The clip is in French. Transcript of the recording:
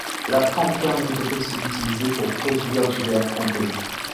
La trempe thermique est aussi utilisée pour produire du verre trempé.